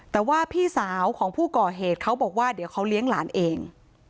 แต่ว่าพี่สาวของผู้ก่อเหตุเขาบอกว่าเดี๋ยวเขาเลี้ยงหลานเอง